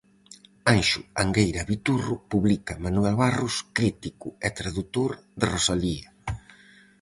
Anxo Angueira Viturro publica "Manuel Barros, crítico e tradutor de Rosalía".